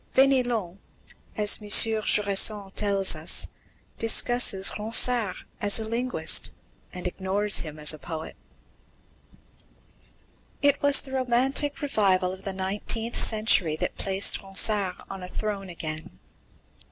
Fénelon, as M. Jusserand tells us, discusses Ronsard as a linguist, and ignores him as a poet. It was the romantic; revival of the nineteenth century that placed Ronsard on a throne again.